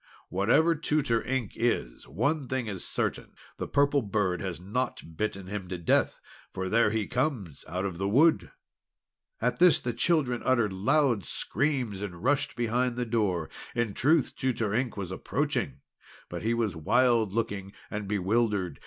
"Whatever Tutor Ink is, one thing is certain, the Purple Bird has not bitten him to death! for there he comes out of the wood!" At this the children uttered loud screams, and rushed behind the door. In truth, Tutor Ink was approaching, but he was wild looking and bewildered.